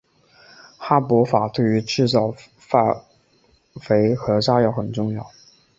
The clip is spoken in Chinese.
哈柏法对于制造化肥和炸药很重要。